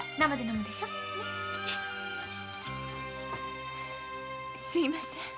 すみません。